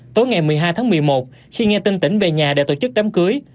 tối ngày một mươi hai tháng một mươi một khi nghe tin tỉnh về nhà để tổ chức đám cưới